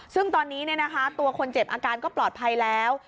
ซึ่งตอนนี้ตัวคนเจ็บอาการก็ปลอดภัยแล้ว